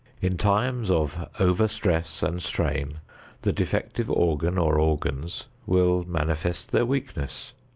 In times of overstress and strain, the defective organ or organs will manifest their weakness.